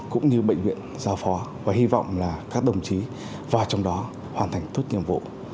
cũng như bệnh viện giao phó và hy vọng là các đồng chí và trong đó hoàn thành tốt nhiệm vụ